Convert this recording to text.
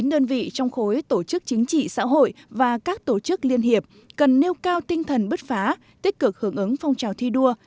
chín đơn vị trong khối tổ chức chính trị xã hội và các tổ chức liên hiệp cần nêu cao tinh thần bứt phá tích cực hưởng ứng phong trào thi đua